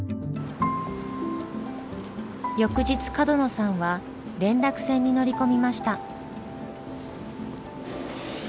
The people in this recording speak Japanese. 翌日角野さんは連絡船に乗り込みました。